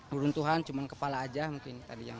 burun tuhan cuma kepala aja mungkin tadi yang